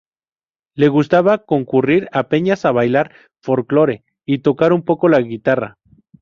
Le gustaba concurrir a peñas a bailar folclore y tocar un poco la guitarra.